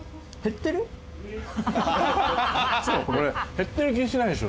減ってる気しないでしょ。